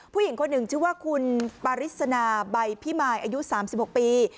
ผู้หญิงคนหนึ่งชื่อว่าคุณปาริสนาใบพิมายอายุ๓๖ปี